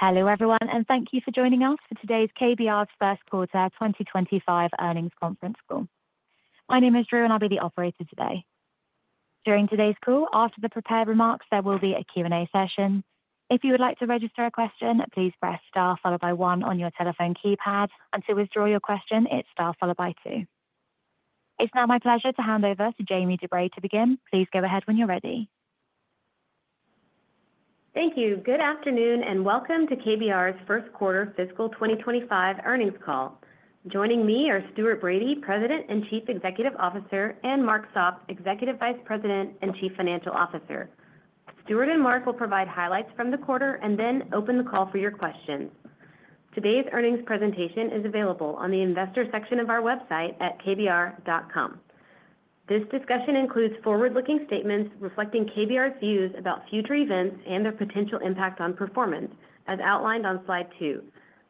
Hello everyone, and thank you for joining us for today's KBR's First Quarter 2025 Earnings Conference Call. My name is Drew, and I'll be the operator today. During today's call, after the prepared remarks, there will be a Q&A session. If you would like to register a question, please press star followed by one on your telephone keypad, and to withdraw your question, hit star followed by two. It's now my pleasure to hand over to Jamie DuBray to begin. Please go ahead when you're ready. Thank you. Good afternoon, and welcome to KBR's First Quarter Fiscal 2025 Earnings Call. Joining me are Stuart Bradie, President and Chief Executive Officer, and Mark Sopp, Executive Vice President and Chief Financial Officer. Stuart and Mark will provide highlights from the quarter and then open the call for your questions. Today's earnings presentation is available on the investor section of our website at kbr.com. This discussion includes forward-looking statements reflecting KBR's views about future events and their potential impact on performance, as outlined on slide two.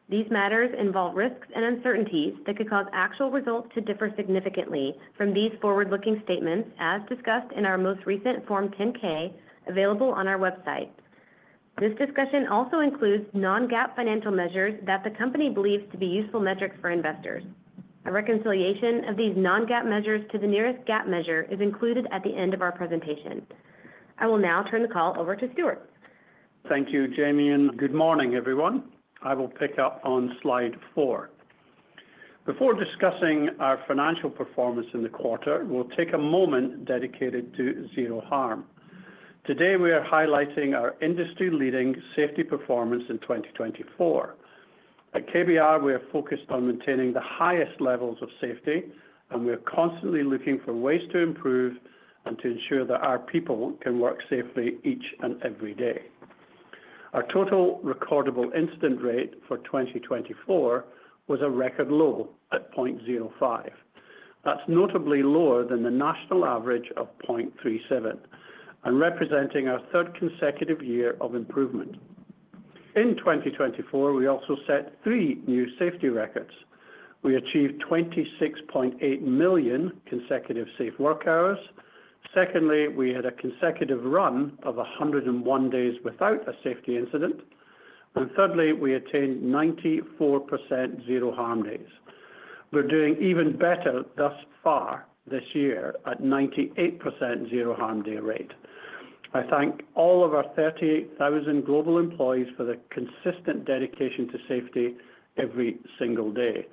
These matters involve risks and uncertainties that could cause actual results to differ significantly from these forward-looking statements, as discussed in our most recent Form 10-K available on our website. This discussion also includes non-GAAP financial measures that the company believes to be useful metrics for investors. A reconciliation of these non-GAAP measures to the nearest GAAP measure is included at the end of our presentation. I will now turn the call over to Stuart. Thank you, Jamie, and good morning, everyone. I will pick up on slide four. Before discussing our financial performance in the quarter, we'll take a moment dedicated to zero harm. Today, we are highlighting our industry-leading safety performance in 2024. At KBR, we are focused on maintaining the highest levels of safety, and we are constantly looking for ways to improve and to ensure that our people can work safely each and every day. Our total recordable incident rate for 2024 was a record low at 0.05. That's notably lower than the national average of 0.37, and representing our third consecutive year of improvement. In 2024, we also set three new safety records. We achieved 26.8 million consecutive safe work hours. Secondly, we had a consecutive run of 101 days without a safety incident. Thirdly, we attained 94% zero harm days. We're doing even better thus far this year at 98% zero harm day rate. I thank all of our 38,000 global employees for the consistent dedication to safety every single day.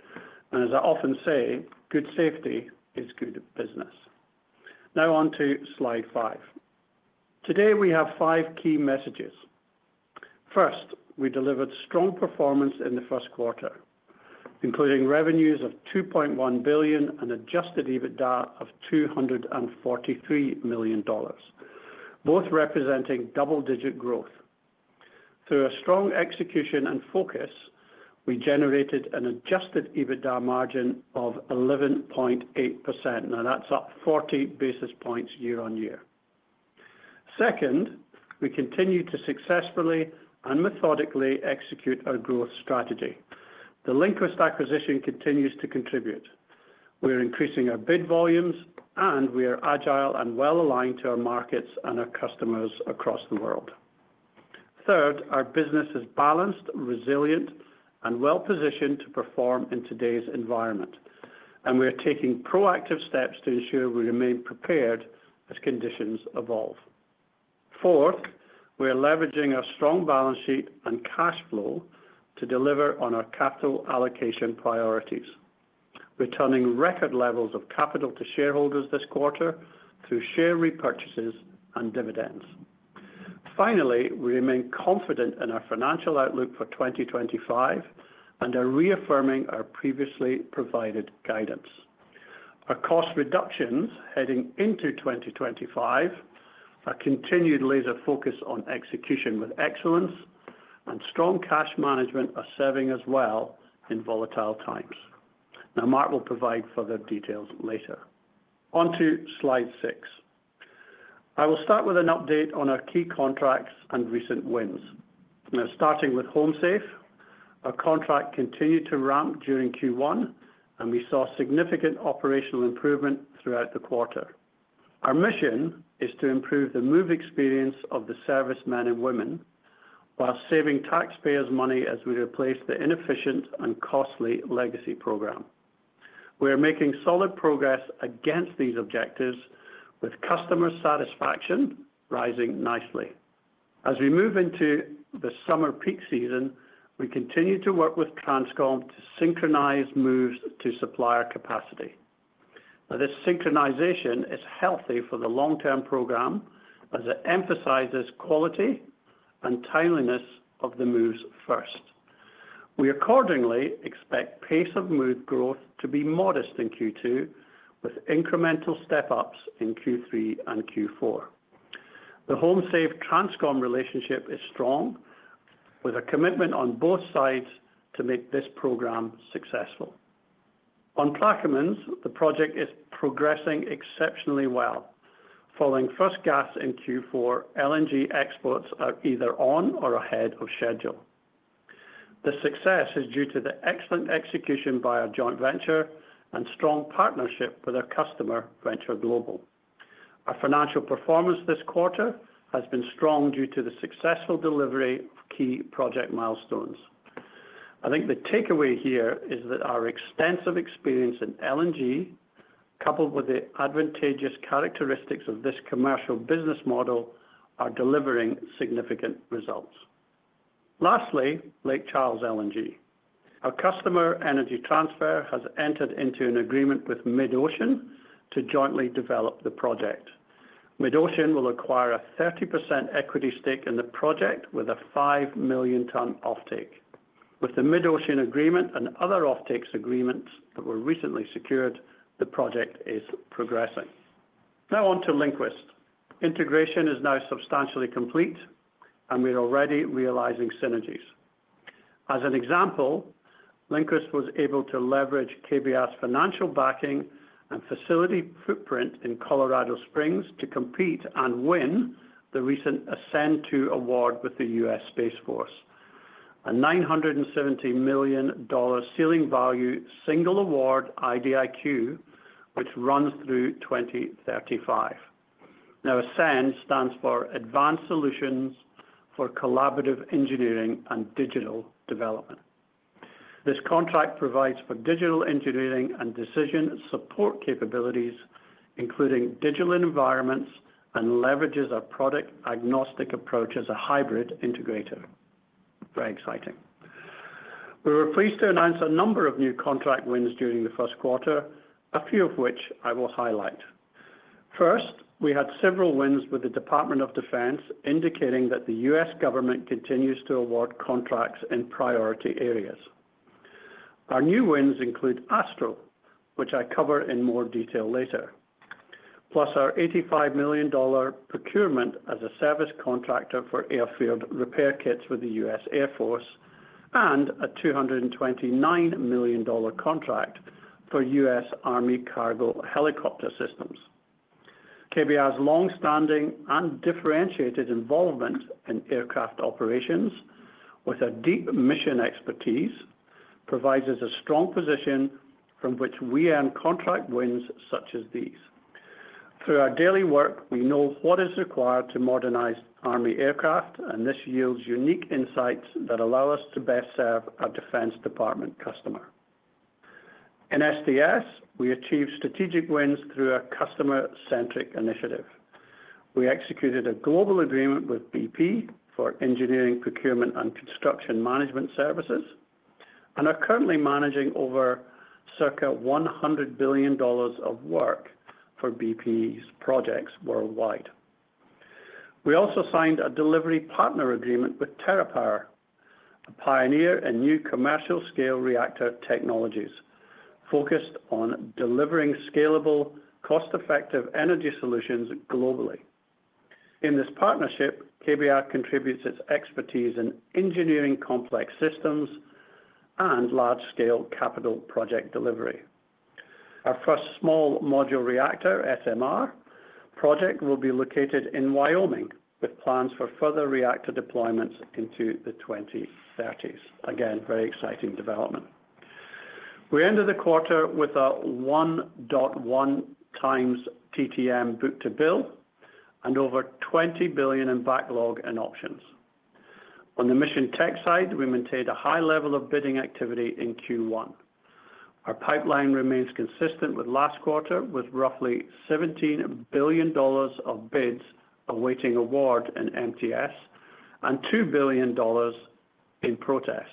As I often say, good safety is good business. Now on to slide five. Today, we have five key messages. First, we delivered strong performance in the first quarter, including revenues of $2.1 billion and an adjusted EBITDA of $243 million, both representing double-digit growth. Through our strong execution and focus, we generated an adjusted EBITDA margin of 11.8%. Now, that's up 40 basis points year-on-year. Second, we continue to successfully and methodically execute our growth strategy. The LinQuest acquisition continues to contribute. We're increasing our bid volumes, and we are agile and well-aligned to our markets and our customers across the world. Third, our business is balanced, resilient, and well-positioned to perform in today's environment. We are taking proactive steps to ensure we remain prepared as conditions evolve. Fourth, we are leveraging our strong balance sheet and cash flow to deliver on our capital allocation priorities, returning record levels of capital to shareholders this quarter through share repurchases and dividends. Finally, we remain confident in our financial outlook for 2025 and are reaffirming our previously provided guidance. Our cost reductions heading into 2025, our continued laser focus on execution with excellence, and strong cash management are serving us well in volatile times. Now, Mark will provide further details later. On to slide six. I will start with an update on our key contracts and recent wins. Now, starting with HomeSafe, our contract continued to ramp during Q1, and we saw significant operational improvement throughout the quarter. Our mission is to improve the move experience of the service men and women while saving taxpayers' money as we replace the inefficient and costly legacy program. We are making solid progress against these objectives, with customer satisfaction rising nicely. As we move into the summer peak season, we continue to work with TRANSCOM to synchronize moves to supplier capacity. Now, this synchronization is healthy for the long-term program as it emphasizes quality and timeliness of the moves first. We accordingly expect pace of move growth to be modest in Q2, with incremental step-ups in Q3 and Q4. The HomeSafe-TRANSCOM relationship is strong, with a commitment on both sides to make this program successful. On Plaquemines, the project is progressing exceptionally well. Following first gas in Q4, LNG exports are either on or ahead of schedule. The success is due to the excellent execution by our joint venture and strong partnership with our customer, Venture Global. Our financial performance this quarter has been strong due to the successful delivery of key project milestones. I think the takeaway here is that our extensive experience in LNG, coupled with the advantageous characteristics of this commercial business model, are delivering significant results. Lastly, Lake Charles LNG. Our customer, Energy Transfer, has entered into an agreement with MidOcean to jointly develop the project. MidOcean will acquire a 30% equity stake in the project with a 5 million ton offtake. With the MidOcean agreement and other offtake agreements that were recently secured, the project is progressing. Now on to LinQuest. Integration is now substantially complete, and we're already realizing synergies. As an example, LinQuest was able to leverage KBR's financial backing and facility footprint in Colorado Springs to compete and win the recent Ascend-to Award with the U.S. Space Force, a $970 million ceiling value single award IDIQ, which runs through 2035. Now, Ascend stands for Advanced Solutions for Collaborative Engineering and Digital Development. This contract provides for digital engineering and decision support capabilities, including digital environments, and leverages our product-agnostic approach as a hybrid integrator. Very exciting. We were pleased to announce a number of new contract wins during the first quarter, a few of which I will highlight. First, we had several wins with the Department of Defense, indicating that the U.S. government continues to award contracts in priority areas. Our new wins include Astro, which I cover in more detail later, plus our $85 million procurement as a service contractor for airfield repair kits with the U.S. Air Force and a $229 million contract for U.S. Army cargo helicopter systems. KBR's long-standing and differentiated involvement in aircraft operations, with our deep mission expertise, provides us a strong position from which we earn contract wins such as these. Through our daily work, we know what is required to modernize Army aircraft, and this yields unique insights that allow us to best serve our Defense Department customer. In SDS, we achieve strategic wins through our customer-centric initiative. We executed a global agreement with BP for engineering, procurement, and construction management services, and are currently managing over circa $100 billion of work for BP's projects worldwide. We also signed a delivery partner agreement with TerraPower, a pioneer in new commercial-scale reactor technologies focused on delivering scalable, cost-effective energy solutions globally. In this partnership, KBR contributes its expertise in engineering complex systems and large-scale capital project delivery. Our first small module reactor, SMR project, will be located in Wyoming, with plans for further reactor deployments into the 2030s. Again, very exciting development. We ended the quarter with a 1.1 times TTM book-to-bill and over $20 billion in backlog and options. On the mission tech side, we maintained a high level of bidding activity in Q1. Our pipeline remains consistent with last quarter, with roughly $17 billion of bids awaiting award in MTS and $2 billion in protest,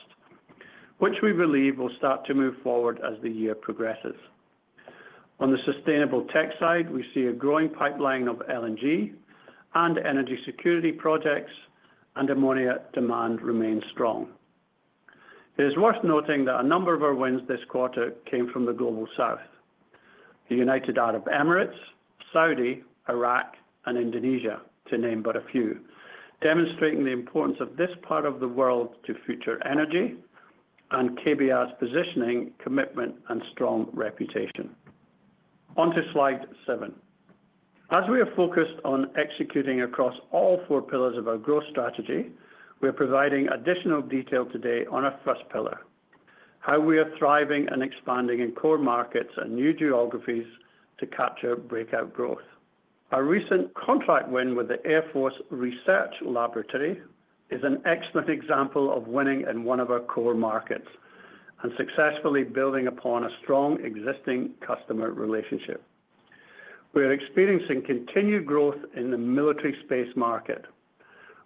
which we believe will start to move forward as the year progresses. On the sustainable tech side, we see a growing pipeline of LNG and energy security projects, and ammonia demand remains strong. It is worth noting that a number of our wins this quarter came from the Global South: the United Arab Emirates, Saudi, Iraq, and Indonesia, to name but a few, demonstrating the importance of this part of the world to future energy and KBR's positioning, commitment, and strong reputation. On to slide seven. As we are focused on executing across all four pillars of our growth strategy, we are providing additional detail today on our first pillar: how we are thriving and expanding in core markets and new geographies to capture breakout growth. Our recent contract win with the Air Force Research Laboratory is an excellent example of winning in one of our core markets and successfully building upon a strong existing customer relationship. We are experiencing continued growth in the military space market,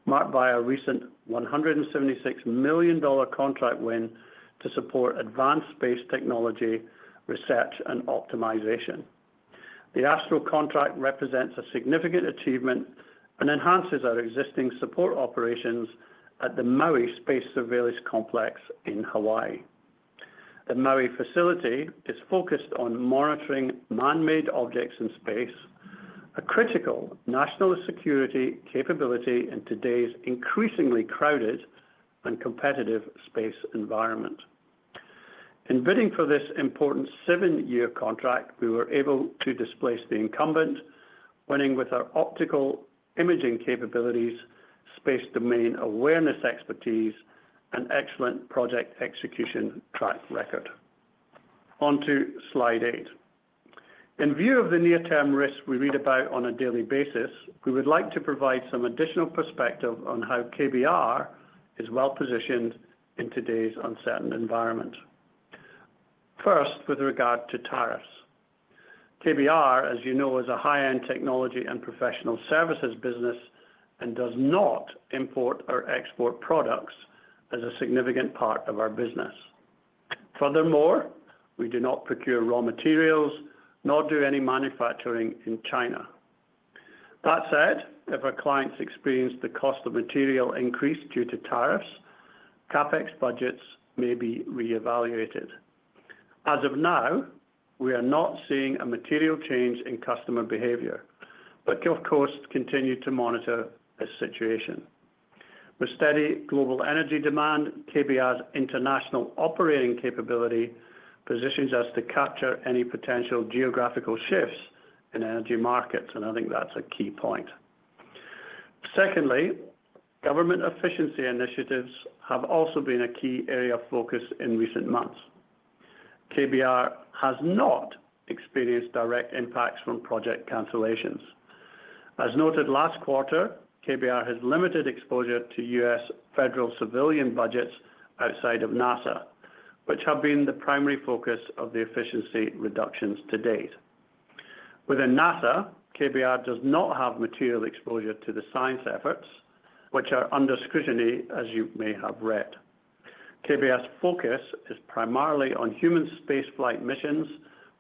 marked by a recent $176 million contract win to support advanced space technology research and optimization. The Astro contract represents a significant achievement and enhances our existing support operations at the Maui Space Surveillance Complex in Hawaii. The Maui facility is focused on monitoring man-made objects in space, a critical national security capability in today's increasingly crowded and competitive space environment. In bidding for this important seven-year contract, we were able to displace the incumbent, winning with our optical imaging capabilities, space domain awareness expertise, and excellent project execution track record. On to slide eight. In view of the near-term risks we read about on a daily basis, we would like to provide some additional perspective on how KBR is well-positioned in today's uncertain environment. First, with regard to tariffs. KBR, as you know, is a high-end technology and professional services business and does not import or export products as a significant part of our business. Furthermore, we do not procure raw materials, nor do any manufacturing in China. That said, if our clients experience the cost of material increase due to tariffs, CapEx budgets may be reevaluated. As of now, we are not seeing a material change in customer behavior, but can, of course, continue to monitor this situation. With steady global energy demand, KBR's international operating capability positions us to capture any potential geographical shifts in energy markets, and I think that's a key point. Secondly, government efficiency initiatives have also been a key area of focus in recent months. KBR has not experienced direct impacts from project cancellations. As noted last quarter, KBR has limited exposure to U.S. federal civilian budgets outside of NASA, which have been the primary focus of the efficiency reductions to date. Within NASA, KBR does not have material exposure to the science efforts, which are under scrutiny, as you may have read. KBR's focus is primarily on human spaceflight missions,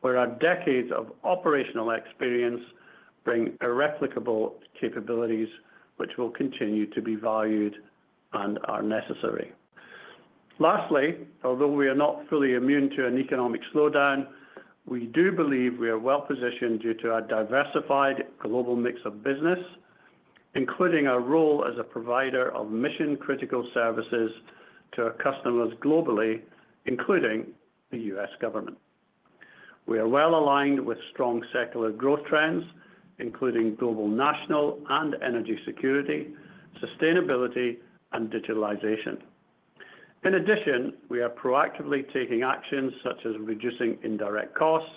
where our decades of operational experience bring irreplicable capabilities, which will continue to be valued and are necessary. Lastly, although we are not fully immune to an economic slowdown, we do believe we are well-positioned due to our diversified global mix of business, including our role as a provider of mission-critical services to our customers globally, including the U.S. government. We are well-aligned with strong secular growth trends, including global national and energy security, sustainability, and digitalization. In addition, we are proactively taking actions such as reducing indirect costs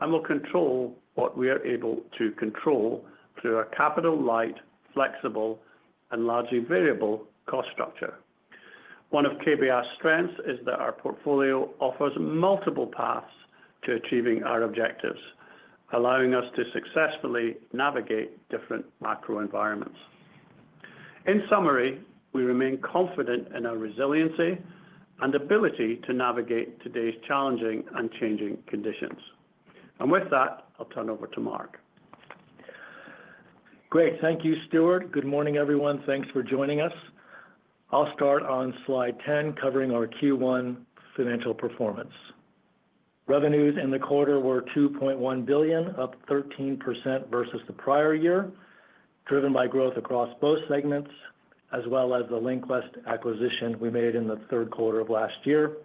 and will control what we are able to control through our capital-light, flexible, and largely variable cost structure. One of KBR's strengths is that our portfolio offers multiple paths to achieving our objectives, allowing us to successfully navigate different macro environments. In summary, we remain confident in our resiliency and ability to navigate today's challenging and changing conditions. With that, I'll turn over to Mark. Great. Thank you, Stuart. Good morning, everyone. Thanks for joining us. I'll start on slide 10, covering our Q1 financial performance. Revenues in the quarter were $2.1 billion, up 13% versus the prior year, driven by growth across both segments, as well as the LinQuest acquisition we made in the third quarter of last year.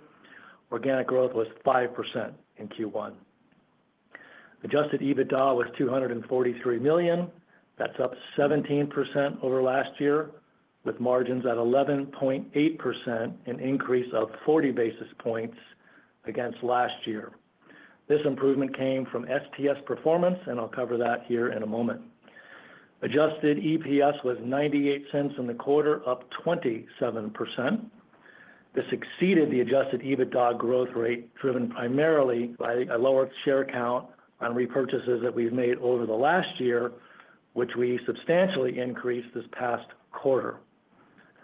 Organic growth was 5% in Q1. Adjusted EBITDA was $243 million. That's up 17% over last year, with margins at 11.8%, an increase of 40 basis points against last year. This improvement came from STS performance, and I'll cover that here in a moment. Adjusted EPS was $0.98 in the quarter, up 27%. This exceeded the adjusted EBITDA growth rate, driven primarily by a lower share count on repurchases that we've made over the last year, which we substantially increased this past quarter.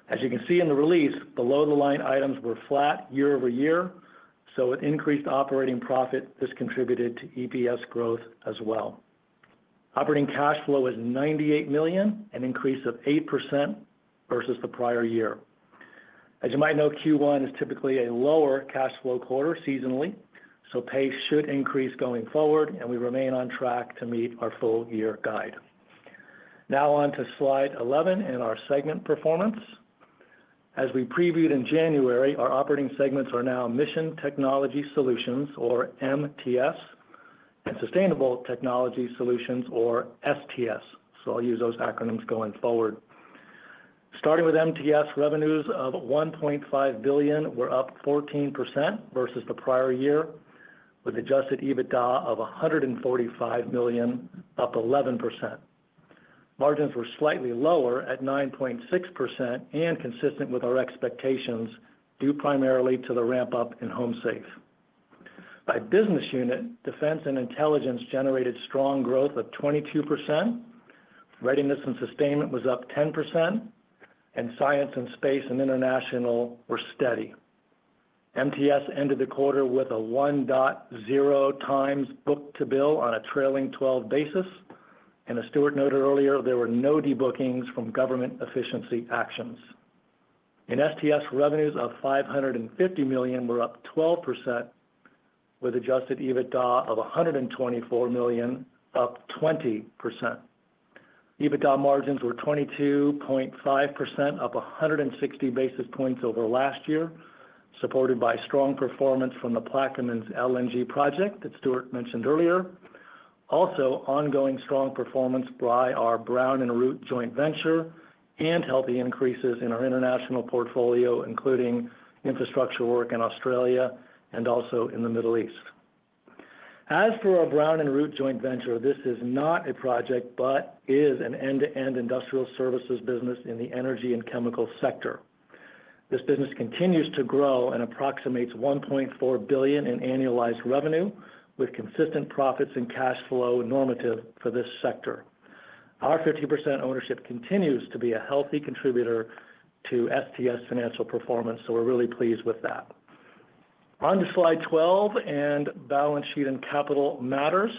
As you can see in the release, below-the-line items were flat year over year, so with increased operating profit, this contributed to EPS growth as well. Operating cash flow was $98 million, an increase of 8% versus the prior year. As you might know, Q1 is typically a lower cash flow quarter seasonally, so pay should increase going forward, and we remain on track to meet our full-year guide. Now on to slide 11 in our segment performance. As we previewed in January, our operating segments are now Mission Technology Solutions, or MTS, and Sustainable Technology Solutions, or STS. I'll use those acronyms going forward. Starting with MTS, revenues of $1.5 billion were up 14% versus the prior year, with adjusted EBITDA of $145 million, up 11%. Margins were slightly lower at 9.6% and consistent with our expectations due primarily to the ramp-up in HomeSafe. By business unit, defense and intelligence generated strong growth of 22%. Readiness and sustainment was up 10%, and science and space and international were steady. MTS ended the quarter with a $1.0 times book-to-bill on a trailing 12 basis, and as Stuart noted earlier, there were no debookings from government efficiency actions. In STS, revenues of $550 million were up 12%, with adjusted EBITDA of $124 million, up 20%. EBITDA margins were 22.5%, up 160 basis points over last year, supported by strong performance from the Plaquemines LNG project that Stuart mentioned earlier. Also, ongoing strong performance by our Brown & Root joint venture and healthy increases in our international portfolio, including infrastructure work in Australia and also in the Middle East. As for our Brown & Root joint venture, this is not a project but is an end-to-end industrial services business in the energy and chemical sector. This business continues to grow and approximates $1.4 billion in annualized revenue, with consistent profits and cash flow normative for this sector. Our 50% ownership continues to be a healthy contributor to STS financial performance, so we're really pleased with that. On to slide 12 and balance sheet and capital matters.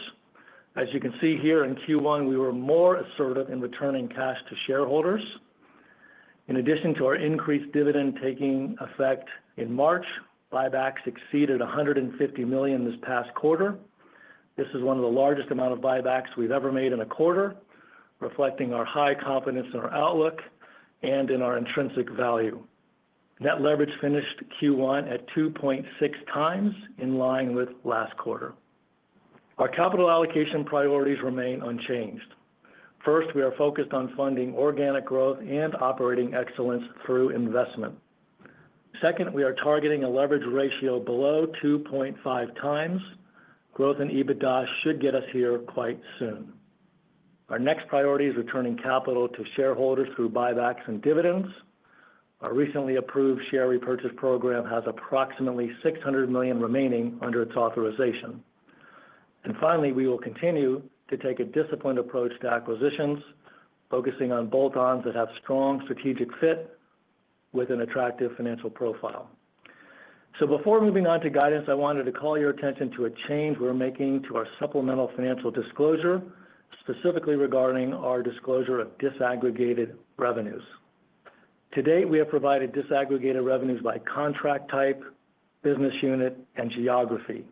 As you can see here in Q1, we were more assertive in returning cash to shareholders. In addition to our increased dividend taking effect in March, buybacks exceeded $150 million this past quarter. This is one of the largest amounts of buybacks we've ever made in a quarter, reflecting our high confidence in our outlook and in our intrinsic value. Net leverage finished Q1 at 2.6 times, in line with last quarter. Our capital allocation priorities remain unchanged. First, we are focused on funding organic growth and operating excellence through investment. Second, we are targeting a leverage ratio below 2.5 times. Growth in EBITDA should get us here quite soon. Our next priority is returning capital to shareholders through buybacks and dividends. Our recently approved share repurchase program has approximately $600 million remaining under its authorization. Finally, we will continue to take a disciplined approach to acquisitions, focusing on bolt-ons that have strong strategic fit with an attractive financial profile. Before moving on to guidance, I wanted to call your attention to a change we are making to our supplemental financial disclosure, specifically regarding our disclosure of disaggregated revenues. To date, we have provided disaggregated revenues by contract type, business unit, and geography.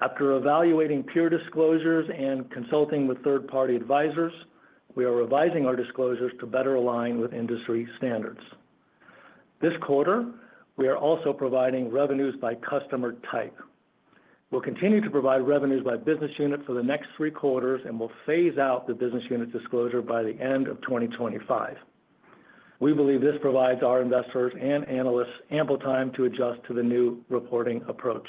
After evaluating peer disclosures and consulting with third-party advisors, we are revising our disclosures to better align with industry standards. This quarter, we are also providing revenues by customer type. We'll continue to provide revenues by business unit for the next three quarters and will phase out the business unit disclosure by the end of 2025. We believe this provides our investors and analysts ample time to adjust to the new reporting approach.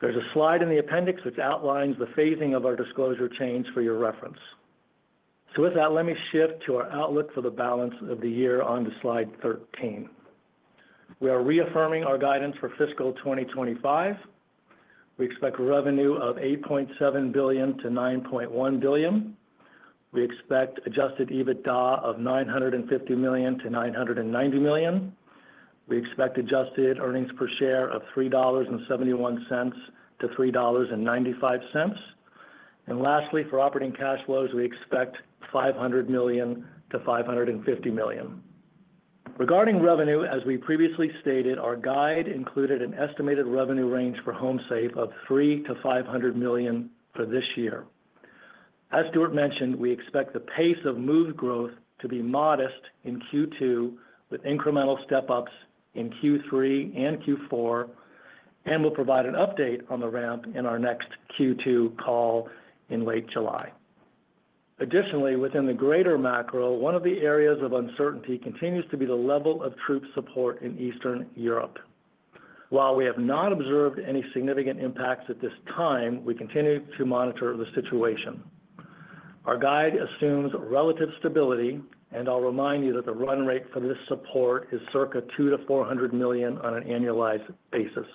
There is a slide in the appendix which outlines the phasing of our disclosure change for your reference. With that, let me shift to our outlook for the balance of the year on to slide 13. We are reaffirming our guidance for fiscal 2025. We expect revenue of $8.7 billion-$9.1 billion. We expect adjusted EBITDA of $950 million-$990 million. We expect adjusted earnings per share of $3.71-$3.95. Lastly, for operating cash flows, we expect $500 million-$550 million. Regarding revenue, as we previously stated, our guide included an estimated revenue range for HomeSafe of $300 million-$500 million for this year. As Stuart mentioned, we expect the pace of move growth to be modest in Q2, with incremental step-ups in Q3 and Q4, and we'll provide an update on the ramp in our next Q2 call in late July. Additionally, within the greater macro, one of the areas of uncertainty continues to be the level of troop support in Eastern Europe. While we have not observed any significant impacts at this time, we continue to monitor the situation. Our guide assumes relative stability, and I'll remind you that the run rate for this support is circa $200 million-$400 million on an annualized basis.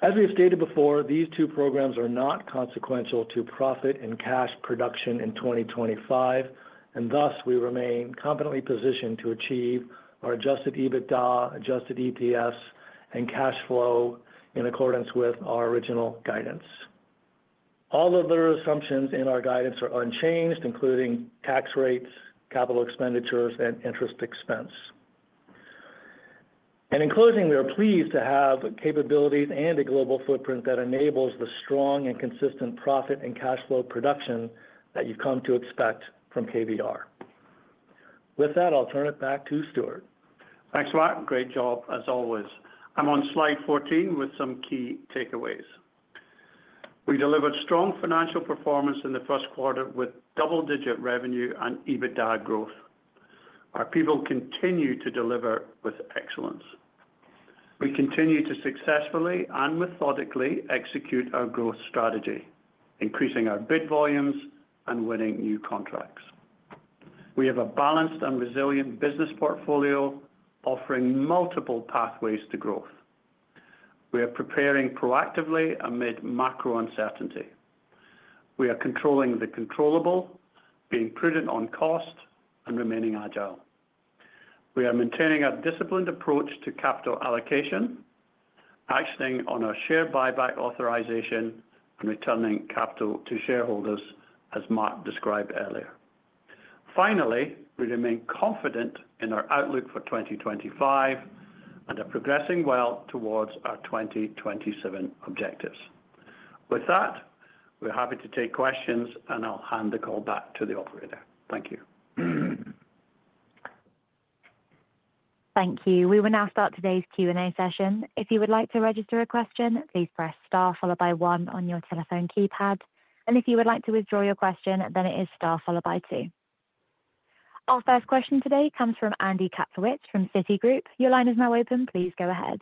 As we've stated before, these two programs are not consequential to profit and cash production in 2025, and thus we remain competently positioned to achieve our adjusted EBITDA, adjusted EPS, and cash flow in accordance with our original guidance. All other assumptions in our guidance are unchanged, including tax rates, capital expenditures, and interest expense. In closing, we are pleased to have capabilities and a global footprint that enables the strong and consistent profit and cash flow production that you've come to expect from KBR. With that, I'll turn it back to Stuart. Thanks, Mark. Great job as always. I'm on slide 14 with some key takeaways. We delivered strong financial performance in the first quarter with double-digit revenue and EBITDA growth. Our people continue to deliver with excellence. We continue to successfully and methodically execute our growth strategy, increasing our bid volumes and winning new contracts. We have a balanced and resilient business portfolio offering multiple pathways to growth. We are preparing proactively amid macro uncertainty. We are controlling the controllable, being prudent on cost, and remaining agile. We are maintaining a disciplined approach to capital allocation, actioning on our share buyback authorization, and returning capital to shareholders, as Mark described earlier. Finally, we remain confident in our outlook for 2025 and are progressing well towards our 2027 objectives. With that, we're happy to take questions, and I'll hand the call back to the operator. Thank you. Thank you. We will now start today's Q&A session. If you would like to register a question, please press star followed by one on your telephone keypad. If you would like to withdraw your question, it is star followed by two. Our first question today comes from Andy Kaplowitz from Citigroup. Your line is now open. Please go ahead.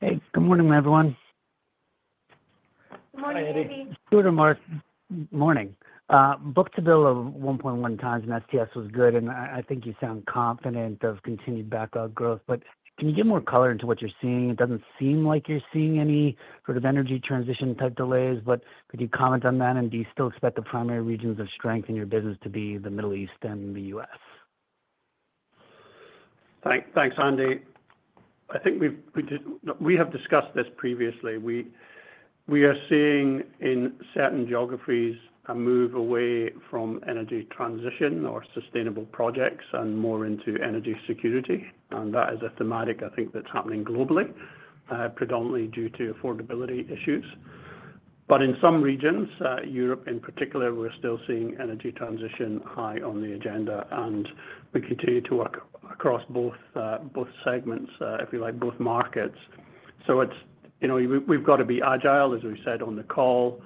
Hey. Good morning, everyone. Good morning, Andy. Stuart and Mark, good morning. Book to bill of 1.1 times in STS was good, and I think you sound confident of continued backlog growth. Can you give more color into what you're seeing? It doesn't seem like you're seeing any sort of energy transition-type delays, but could you comment on that? Do you still expect the primary regions of strength in your business to be the Middle East and the U.S.? Thanks, Andy. I think we have discussed this previously. We are seeing in certain geographies a move away from energy transition or sustainable projects and more into energy security. That is a thematic, I think, that's happening globally, predominantly due to affordability issues. In some regions, Europe in particular, we're still seeing energy transition high on the agenda, and we continue to work across both segments, if you like, both markets. We have to be agile, as we said on the call.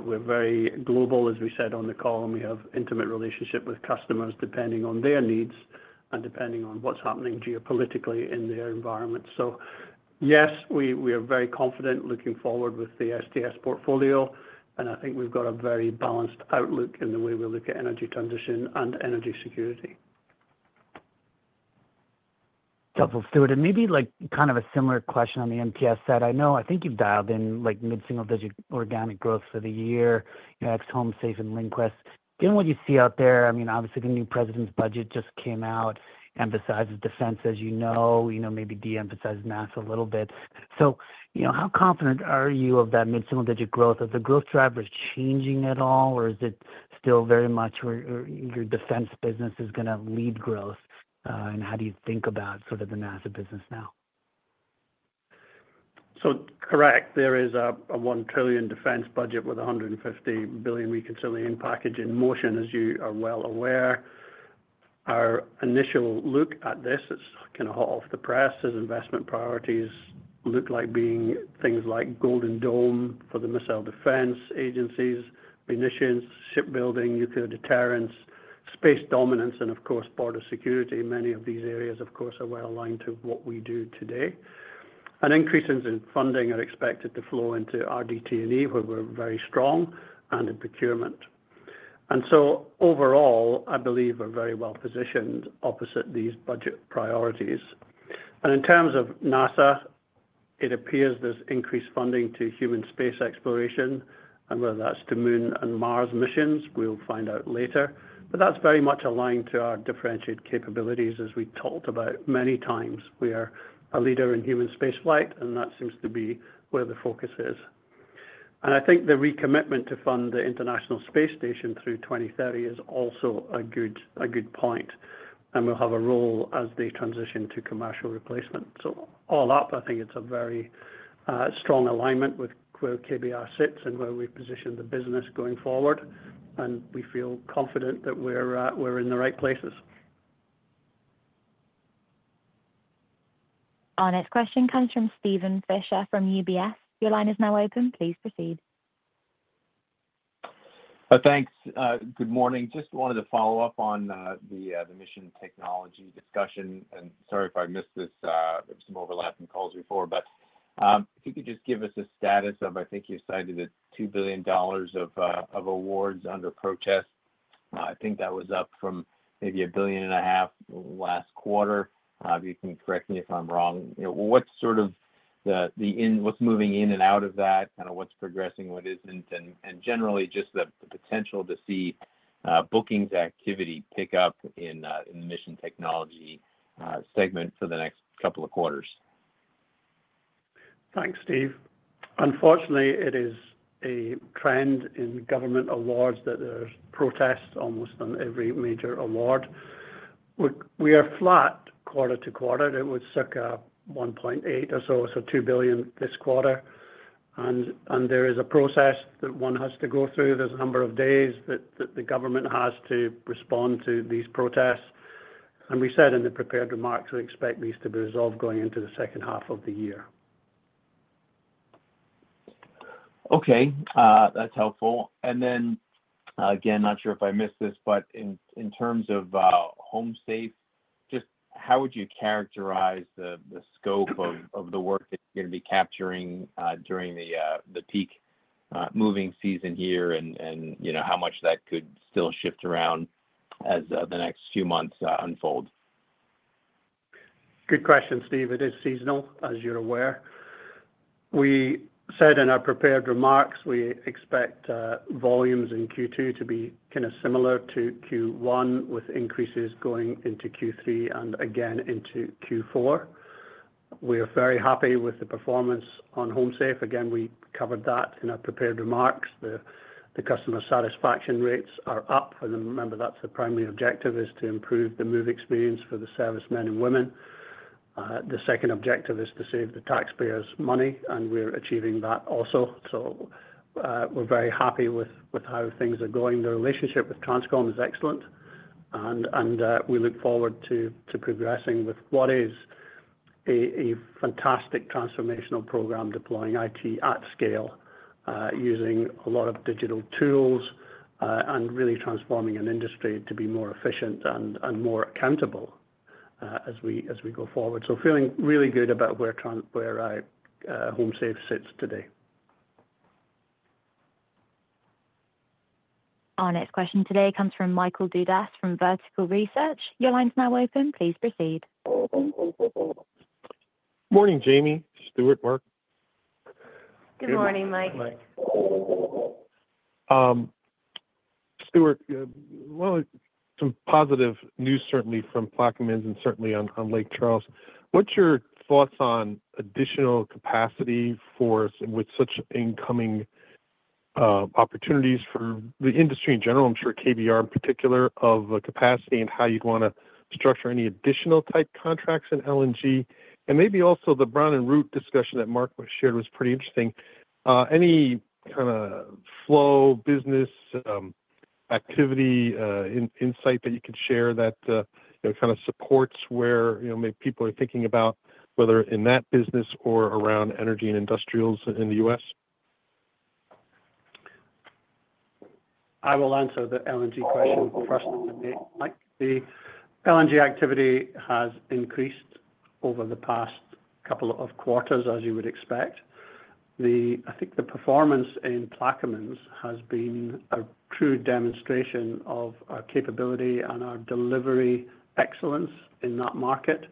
We're very global, as we said on the call, and we have an intimate relationship with customers depending on their needs and depending on what's happening geopolitically in their environment. Yes, we are very confident looking forward with the STS portfolio, and I think we've got a very balanced outlook in the way we look at energy transition and energy security. Stuart, and maybe kind of a similar question on the MTS side. I know I think you've dialed in mid-single-digit organic growth for the year, ex-HomeSafe and LinQuest. Given what you see out there, I mean, obviously, the new president's budget just came out, emphasizes defense, as you know, maybe de-emphasizes NASA a little bit. So how confident are you of that mid-single-digit growth? Is the growth driver changing at all, or is it still very much your defense business is going to lead growth? And how do you think about sort of the NASA business now? Correct. There is a $1 trillion defense budget with a $150 billion reconciliation package in motion, as you are well aware. Our initial look at this is kind of hot off the press as investment priorities look like being things like Golden Dome for the missile defense agencies, munitions, shipbuilding, nuclear deterrence, space dominance, and of course, border security. Many of these areas, of course, are well aligned to what we do today. Increases in funding are expected to flow into RDT&E, where we're very strong, and in procurement. Overall, I believe we're very well positioned opposite these budget priorities. In terms of NASA, it appears there's increased funding to human space exploration, and whether that's to Moon and Mars missions, we'll find out later. That is very much aligned to our differentiated capabilities, as we talked about many times. We are a leader in human spaceflight, and that seems to be where the focus is. I think the recommitment to fund the International Space Station through 2030 is also a good point, and we'll have a role as they transition to commercial replacement. All up, I think it's a very strong alignment with where KBR sits and where we've positioned the business going forward, and we feel confident that we're in the right places. Our next question comes from Steven Fisher from UBS. Your line is now open. Please proceed. Thanks. Good morning. Just wanted to follow up on the mission technology discussion. Sorry if I missed this. There were some overlapping calls before, but if you could just give us a status of, I think you cited the $2 billion of awards under protest. I think that was up from maybe $1.5 billion last quarter. You can correct me if I'm wrong. What's sort of in, what's moving in and out of that, kind of what's progressing, what isn't, and generally just the potential to see bookings activity pick up in the mission technology segment for the next couple of quarters? Thanks, Steve. Unfortunately, it is a trend in government awards that there's protest almost on every major award. We are flat quarter to quarter. It would suck a 1.8 or so, so $2 billion this quarter. There is a process that one has to go through. There are a number of days that the government has to respond to these protests. As we said in the prepared remarks, we expect these to be resolved going into the second half of the year. Okay. That's helpful. Again, not sure if I missed this, but in terms of HomeSafe, just how would you characterize the scope of the work that you're going to be capturing during the peak moving season here and how much that could still shift around as the next few months unfold? Good question, Steve. It is seasonal, as you're aware. We said in our prepared remarks, we expect volumes in Q2 to be kind of similar to Q1, with increases going into Q3 and again into Q4. We are very happy with the performance on HomeSafe. Again, we covered that in our prepared remarks. The customer satisfaction rates are up. Remember, that's the primary objective, is to improve the move experience for the servicemen and women. The second objective is to save the taxpayers money, and we're achieving that also. We are very happy with how things are going. The relationship with TRANSCOM is excellent, and we look forward to progressing with what is a fantastic transformational program, deploying IT at scale, using a lot of digital tools, and really transforming an industry to be more efficient and more accountable as we go forward. Feeling really good about where HomeSafe sits today. Our next question today comes from Michael Dudas from Vertical Research. Your line's now open. Please proceed. Morning, Jamie. Stuart, Mark. Good morning, Mike. Stuart, some positive news certainly from Klachman's and certainly on Lake Charles. What's your thoughts on additional capacity for with such incoming opportunities for the industry in general, I'm sure KBR in particular, of capacity and how you'd want to structure any additional type contracts in LNG? Maybe also the Brown & Root discussion that Mark shared was pretty interesting. Any kind of flow business activity insight that you could share that kind of supports where maybe people are thinking about whether in that business or around energy and industrials in the U.S.? I will answer the LNG question first. The LNG activity has increased over the past couple of quarters, as you would expect. I think the performance in Plaquemines has been a true demonstration of our capability and our delivery excellence in that market,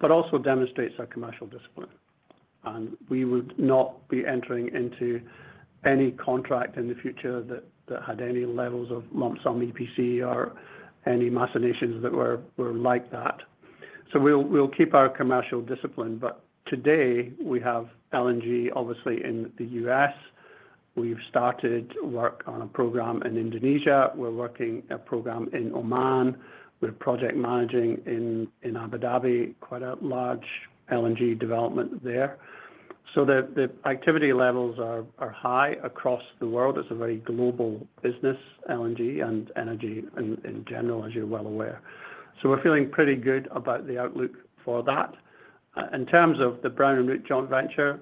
but also demonstrates our commercial discipline. We would not be entering into any contract in the future that had any levels of lump sum EPC or any machinations that were like that. We will keep our commercial discipline. Today, we have LNG, obviously, in the U.S. We have started work on a program in Indonesia. We are working a program in Oman. We are project managing in Abu Dhabi, quite a large LNG development there. The activity levels are high across the world. It is a very global business, LNG and energy in general, as you are well aware. We are feeling pretty good about the outlook for that. In terms of the Brown & Root joint venture,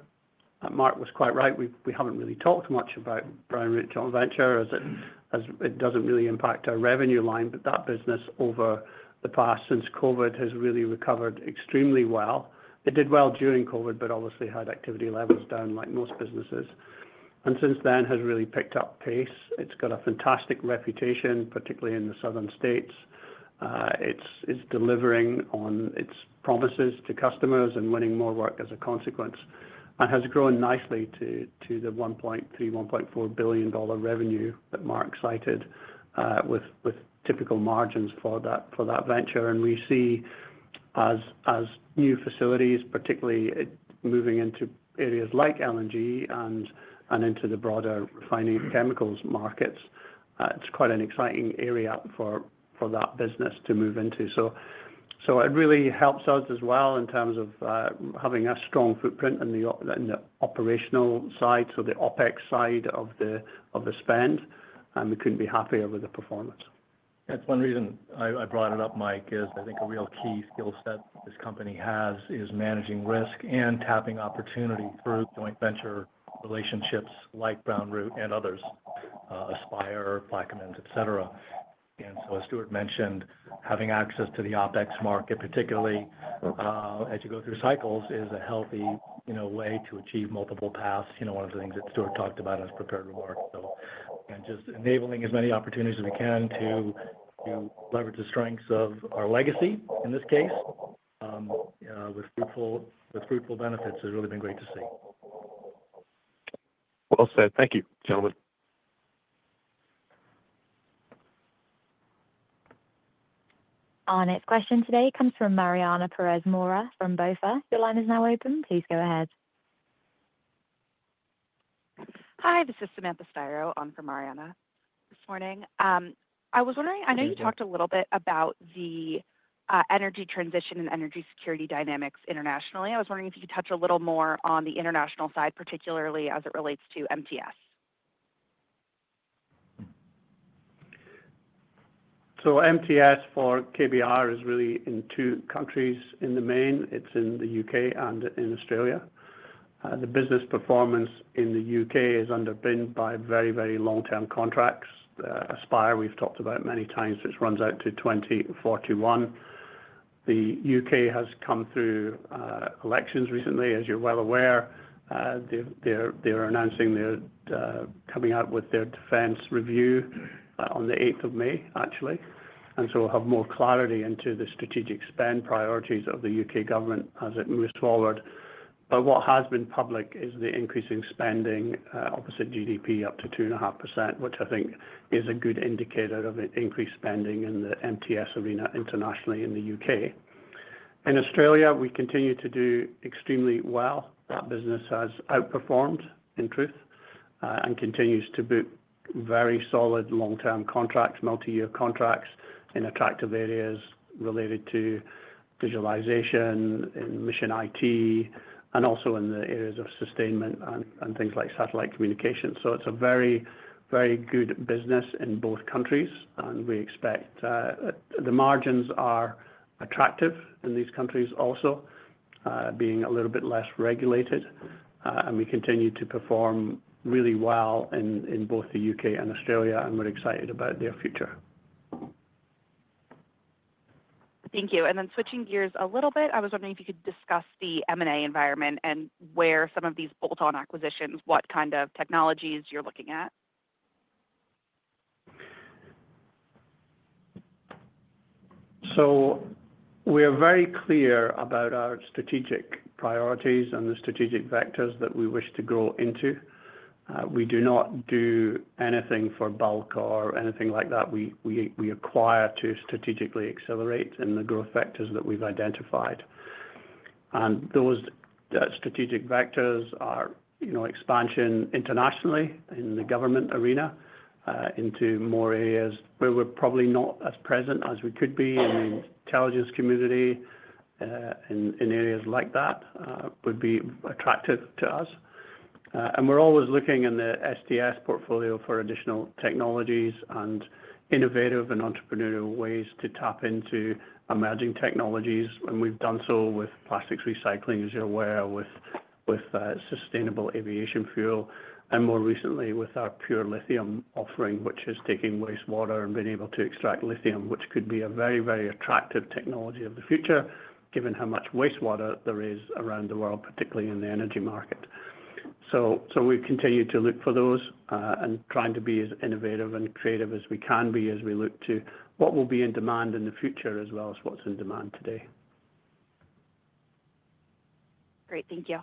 Mark was quite right. We have not really talked much about the Brown & Root joint venture as it does not really impact our revenue line, but that business over the past since COVID has really recovered extremely well. It did well during COVID, but obviously had activity levels down like most businesses. Since then, it has really picked up pace. It has got a fantastic reputation, particularly in the southern states. It is delivering on its promises to customers and winning more work as a consequence, and has grown nicely to the $1.3 billion-$1.4 billion revenue that Mark cited with typical margins for that venture. We see as new facilities, particularly moving into areas like LNG and into the broader refining chemicals markets, it is quite an exciting area for that business to move into. It really helps us as well in terms of having a strong footprint in the operational side, so the OPEX side of the spend. We couldn't be happier with the performance. That's one reason I brought it up, Mike, is I think a real key skill set this company has is managing risk and tapping opportunity through joint venture relationships like Brown & Root and others, Aspire, Klachman's, etc. As Stuart mentioned, having access to the OPEX market, particularly as you go through cycles, is a healthy way to achieve multiple paths. One of the things that Stuart talked about in his prepared remark. Just enabling as many opportunities as we can to leverage the strengths of our legacy in this case with fruitful benefits has really been great to see. Thank you, gentlemen. Our next question today comes from Mariana Pérez Mora from BofA. Your line is now open. Please go ahead. Hi, this is Samantha Spiro. I'm from Mariana. This morning, I was wondering, I know you talked a little bit about the energy transition and energy security dynamics internationally. I was wondering if you could touch a little more on the international side, particularly as it relates to MTS. MTS for KBR is really in two countries in the main. It is in the U.K. and in Australia. The business performance in the U.K. is underpinned by very, very long-term contracts. Aspire, we have talked about many times, which runs out to 2041. The U.K. has come through elections recently, as you are well aware. They are announcing they are coming out with their defense review on the 8th of May, actually. We will have more clarity into the strategic spend priorities of the U.K. government as it moves forward. What has been public is the increasing spending opposite GDP up to 2.5%, which I think is a good indicator of increased spending in the MTS arena internationally in the U.K. In Australia, we continue to do extremely well. That business has outperformed in truth and continues to book very solid long-term contracts, multi-year contracts in attractive areas related to visualization in mission IT and also in the areas of sustainment and things like satellite communications. It is a very, very good business in both countries. We expect the margins are attractive in these countries also, being a little bit less regulated. We continue to perform really well in both the U.K. and Australia, and we are excited about their future. Thank you. Switching gears a little bit, I was wondering if you could discuss the M&A environment and where some of these bolt-on acquisitions, what kind of technologies you're looking at. We are very clear about our strategic priorities and the strategic vectors that we wish to grow into. We do not do anything for bulk or anything like that. We acquire to strategically accelerate in the growth factors that we've identified. Those strategic vectors are expansion internationally in the government arena into more areas where we're probably not as present as we could be in the intelligence community in areas like that would be attractive to us. We're always looking in the STS portfolio for additional technologies and innovative and entrepreneurial ways to tap into emerging technologies. We have done so with plastics recycling, as you are aware, with sustainable aviation fuel, and more recently with our pure lithium offering, which is taking wastewater and being able to extract lithium, which could be a very, very attractive technology of the future, given how much wastewater there is around the world, particularly in the energy market. We continue to look for those and trying to be as innovative and creative as we can be as we look to what will be in demand in the future as well as what is in demand today. Great. Thank you.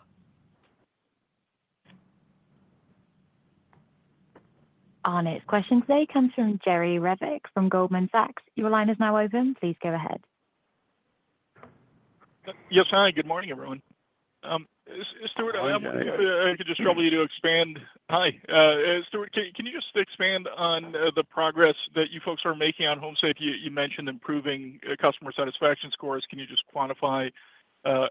Our next question today comes from Jerry Revich from Goldman Sachs. Your line is now open. Please go ahead. Yes, hi. Good morning, everyone. Stuart, I am. Good morning. I could just trouble you to expand. Hi. Stuart, can you just expand on the progress that you folks are making on HomeSafe? You mentioned improving customer satisfaction scores. Can you just quantify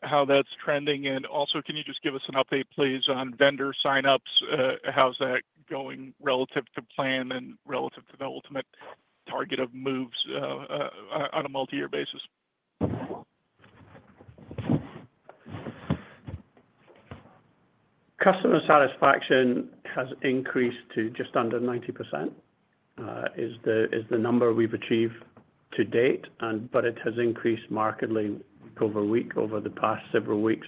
how that's trending? Also, can you just give us an update, please, on vendor sign-ups? How's that going relative to plan and relative to the ultimate target of moves on a multi-year basis? Customer satisfaction has increased to just under 90% is the number we've achieved to date, but it has increased markedly week over week over the past several weeks.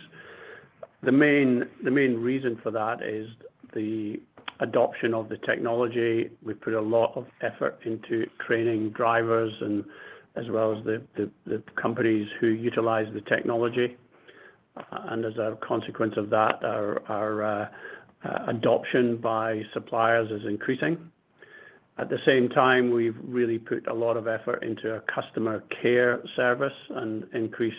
The main reason for that is the adoption of the technology. We've put a lot of effort into training drivers as well as the companies who utilize the technology. As a consequence of that, our adoption by suppliers is increasing. At the same time, we've really put a lot of effort into a customer care service and increased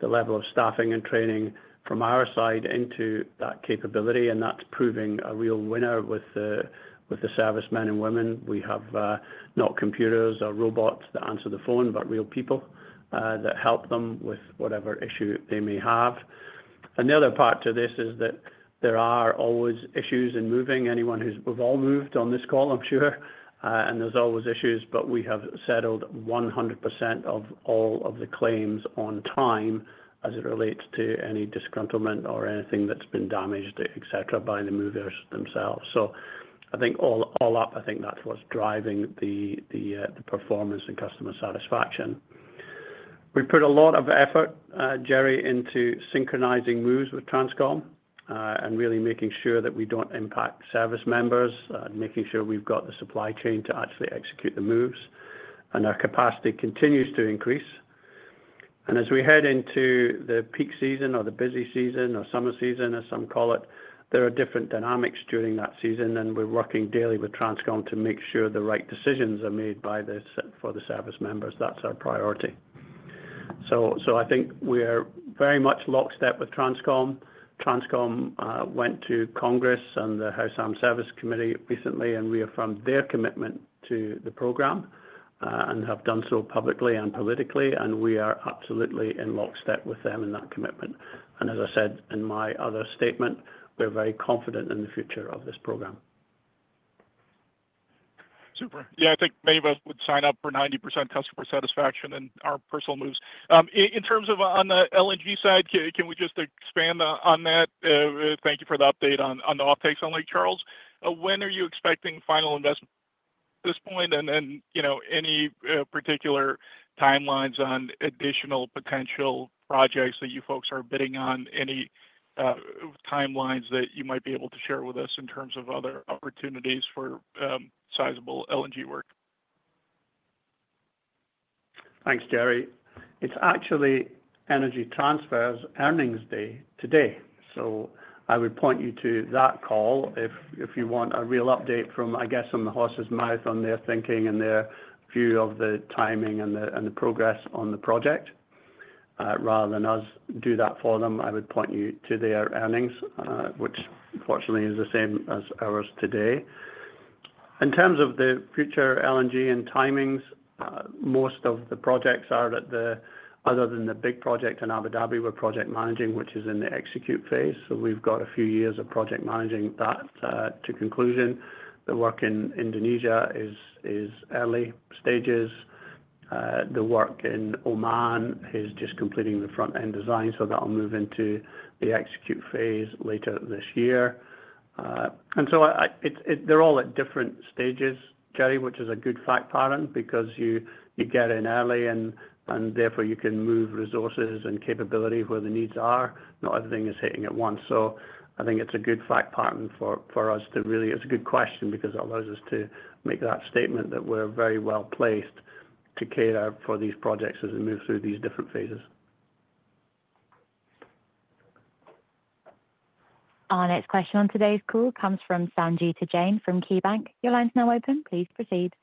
the level of staffing and training from our side into that capability. That is proving a real winner with the servicemen and women. We have not computers or robots that answer the phone, but real people that help them with whatever issue they may have. The other part to this is that there are always issues in moving. We've all moved on this call, I'm sure. There's always issues, but we have settled 100% of all of the claims on time as it relates to any disgruntlement or anything that's been damaged, etc., by the movers themselves. I think all up, I think that's what's driving the performance and customer satisfaction. We put a lot of effort, Jerry, into synchronizing moves with TRANSCOM and really making sure that we don't impact service members, making sure we've got the supply chain to actually execute the moves. Our capacity continues to increase. As we head into the peak season or the busy season or summer season, as some call it, there are different dynamics during that season. We're working daily with TRANSCOM to make sure the right decisions are made for the service members. That's our priority. I think we are very much lockstep with TRANSCOM. TRANSCOM went to Congress and the House Armed Services Committee recently and reaffirmed their commitment to the program and have done so publicly and politically. We are absolutely in lockstep with them in that commitment. As I said in my other statement, we're very confident in the future of this program. Super. Yeah, I think many of us would sign up for 90% customer satisfaction in our personal moves. In terms of on the LNG side, can we just expand on that? Thank you for the update on the OPEX on Lake Charles. When are you expecting final investment at this point? Any particular timelines on additional potential projects that you folks are bidding on? Any timelines that you might be able to share with us in terms of other opportunities for sizable LNG work? Thanks, Jerry. It's actually Energy Transfer's earnings day today. I would point you to that call if you want a real update from, I guess, from the horse's mouth on their thinking and their view of the timing and the progress on the project. Rather than us do that for them, I would point you to their earnings, which fortunately is the same as ours today. In terms of the future LNG and timings, most of the projects are, other than the big project in Abu Dhabi we're project managing, which is in the execute phase. We've got a few years of project managing that to conclusion. The work in Indonesia is early stages. The work in Oman is just completing the front-end design. That will move into the execute phase later this year. They are all at different stages, Jerry, which is a good fact pattern because you get in early and therefore you can move resources and capability where the needs are. Not everything is hitting at once. I think it is a good fact pattern for us to really, it is a good question because it allows us to make that statement that we are very well placed to cater for these projects as we move through these different phases. Our next question on today's call comes from Sangita Jain from KeyBanc. Your line's now open. Please proceed.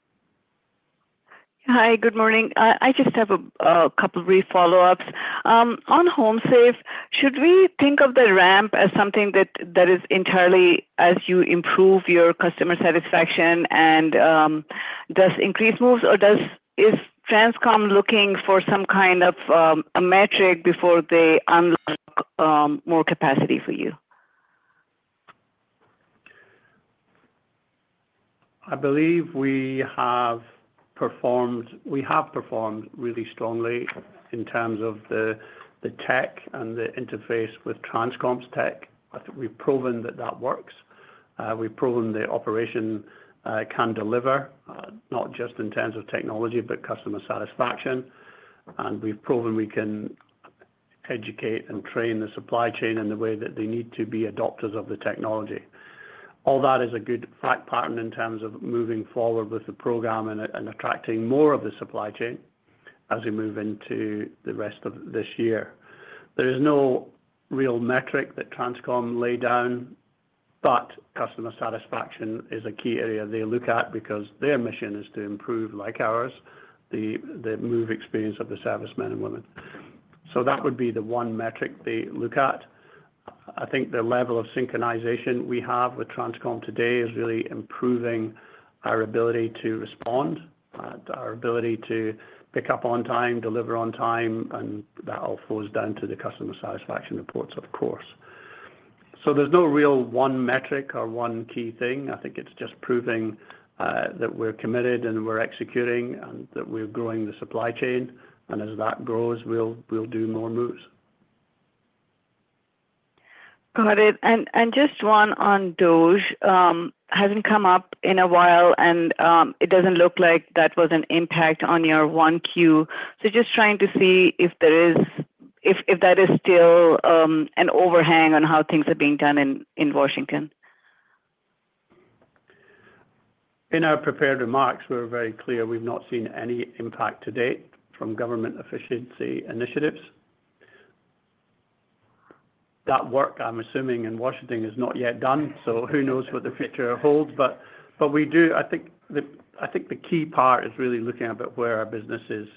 Hi, good morning. I just have a couple of brief follow-ups. On HomeSafe, should we think of the ramp as something that is entirely as you improve your customer satisfaction and thus increase moves, or is TRANSCOM looking for some kind of a metric before they unlock more capacity for you? I believe we have performed really strongly in terms of the tech and the interface with TRANSCOM's tech. We've proven that that works. We've proven the operation can deliver, not just in terms of technology, but customer satisfaction. We've proven we can educate and train the supply chain in the way that they need to be adopters of the technology. All that is a good fact pattern in terms of moving forward with the program and attracting more of the supply chain as we move into the rest of this year. There is no real metric that TRANSCOM lay down, but customer satisfaction is a key area they look at because their mission is to improve, like ours, the move experience of the servicemen and women. That would be the one metric they look at. I think the level of synchronization we have with TRANSCOM today is really improving our ability to respond, our ability to pick up on time, deliver on time, and that all flows down to the customer satisfaction reports, of course. There is no real one metric or one key thing. I think it is just proving that we are committed and we are executing and that we are growing the supply chain. As that grows, we will do more moves. Got it. And just one on DOGE hasn't come up in a while, and it doesn't look like that was an impact on your Q1. So just trying to see if that is still an overhang on how things are being done in Washington. In our prepared remarks, we're very clear. We've not seen any impact to date from government efficiency initiatives. That work, I'm assuming, in Washington is not yet done. Who knows what the future holds? I think the key part is really looking at where our business is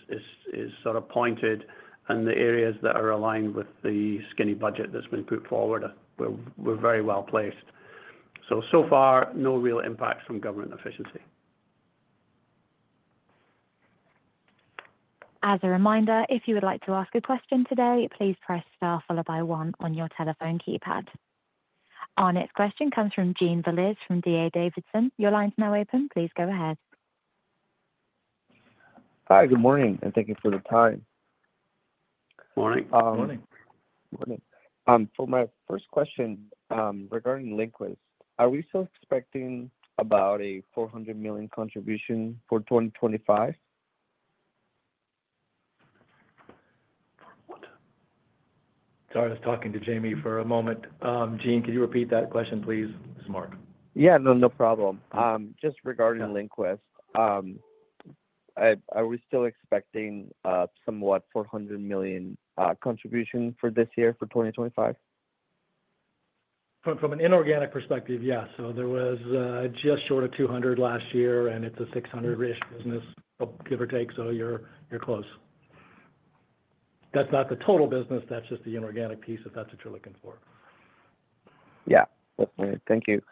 sort of pointed and the areas that are aligned with the skinny budget that's been put forward. We're very well placed. So far, no real impacts from government efficiency. As a reminder, if you would like to ask a question today, please press star followed by one on your telephone keypad. Our next question comes from Jean Veliz from D.A. Davidson. Your line's now open. Please go ahead. Hi, good morning, and thank you for the time. Morning. Morning. Morning. For my first question regarding LinQuest, are we still expecting about a $400 million contribution for 2025? Sorry, I was talking to Jamie for a moment. Jean, can you repeat that question, please? This is Mark. Yeah, no problem. Just regarding LinQuest, are we still expecting somewhat $400 million contribution for this year for 2025? From an inorganic perspective, yes. There was just short of $200 million last year, and it's a $600 million-ish business, give or take. You're close. That's not the total business. That's just the inorganic piece if that's what you're looking for. Yeah, definitely. Thank you.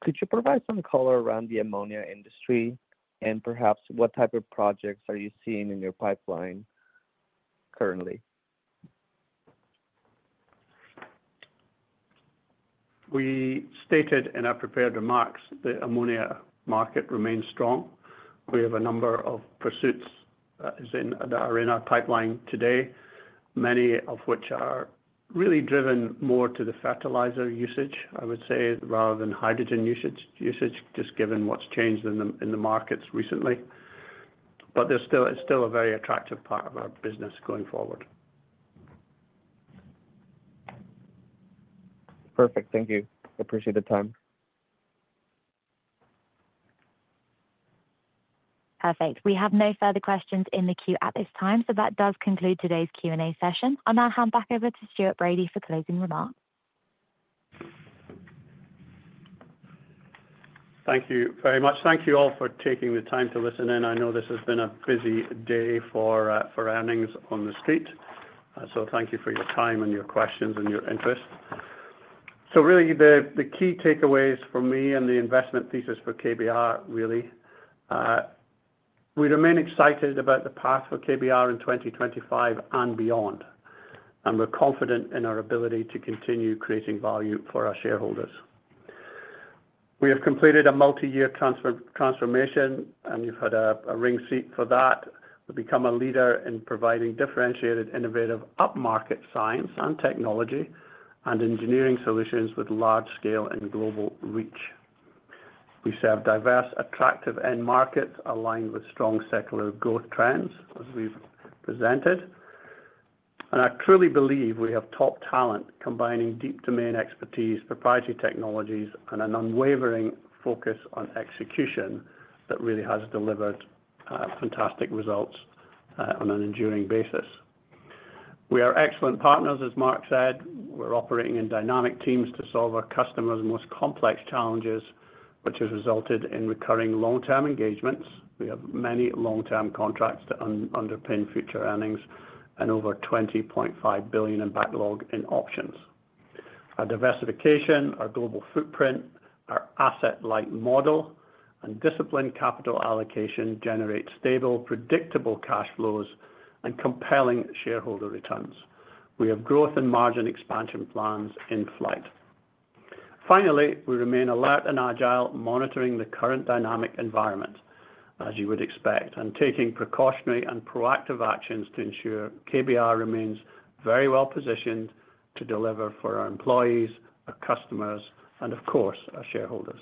Could you provide some color around the ammonia industry and perhaps what type of projects are you seeing in your pipeline currently? We stated in our prepared remarks the ammonia market remains strong. We have a number of pursuits in the arena pipeline today, many of which are really driven more to the fertilizer usage, I would say, rather than hydrogen usage, just given what has changed in the markets recently. It is still a very attractive part of our business going forward. Perfect. Thank you. Appreciate the time. Perfect. We have no further questions in the queue at this time. So that does conclude today's Q&A session. I'll now hand back over to Stuart Bradie for closing remarks. Thank you very much. Thank you all for taking the time to listen in. I know this has been a busy day for earnings on the street. Thank you for your time and your questions and your interest. Really, the key takeaways for me and the investment thesis for KBR, really, we remain excited about the path for KBR in 2025 and beyond. We are confident in our ability to continue creating value for our shareholders. We have completed a multi-year transformation, and you have had a ring seat for that. We have become a leader in providing differentiated, innovative up-market science and technology and engineering solutions with large-scale and global reach. We serve diverse, attractive end markets aligned with strong secular growth trends, as we have presented. I truly believe we have top talent combining deep domain expertise, proprietary technologies, and an unwavering focus on execution that really has delivered fantastic results on an enduring basis. We are excellent partners, as Mark said. We are operating in dynamic teams to solve our customers' most complex challenges, which has resulted in recurring long-term engagements. We have many long-term contracts to underpin future earnings and over $20.5 billion in backlog in options. Our diversification, our global footprint, our asset-like model, and disciplined capital allocation generate stable, predictable cash flows and compelling shareholder returns. We have growth and margin expansion plans in flight. Finally, we remain alert and agile, monitoring the current dynamic environment, as you would expect, and taking precautionary and proactive actions to ensure KBR remains very well positioned to deliver for our employees, our customers, and of course, our shareholders.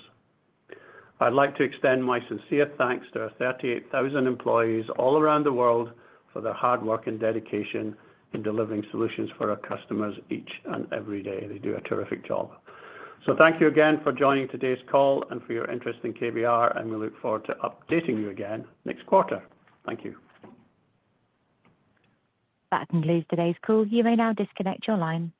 I'd like to extend my sincere thanks to our 38,000 employees all around the world for their hard work and dedication in delivering solutions for our customers each and every day. They do a terrific job. Thank you again for joining today's call and for your interest in KBR. We look forward to updating you again next quarter. Thank you. That concludes today's call. You may now disconnect your line.